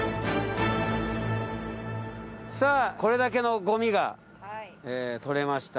さあこれだけのごみが取れました。